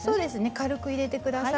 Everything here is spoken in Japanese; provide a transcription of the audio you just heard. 軽く入れてください。